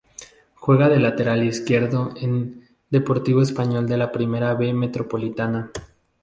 Juega de lateral izquierdo en Deportivo Español de la Primera B Metropolitana.